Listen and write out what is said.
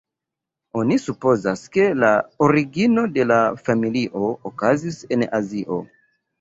Oni supozas, ke la origino de la familio okazis en Azio.